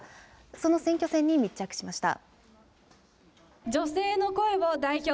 その選挙戦に密着しました。